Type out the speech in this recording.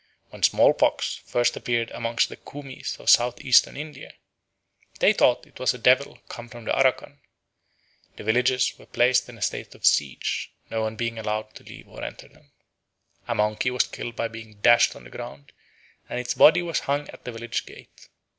When smallpox first appeared amongst the Kumis of South Eastern India, they thought it was a devil come from Aracan. The villages were placed in a state of siege, no one being allowed to leave or enter them. A monkey was killed by being dashed on the ground, and its body was hung at the village gate.